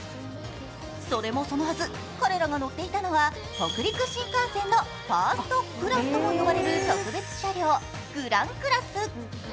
それもそのはず、彼らが乗っていたのは北陸新幹線のファーストクラスとも呼ばれる特別車両グランクラス。